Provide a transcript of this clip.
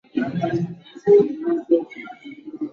ufalme huo uliwekwa chini ya ulinzi wa Dola la Roma